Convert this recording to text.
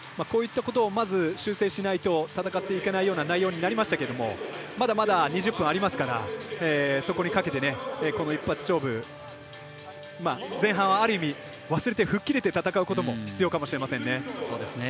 こういったことをまず修正しないと戦っていけないような内容になりましたけどまだまだ２０分ありますからそこにかけて、この一発勝負前半はある意味忘れて吹っ切って戦うことも必要かもしれませんね。